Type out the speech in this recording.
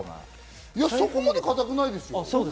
そこまで硬くないですよ。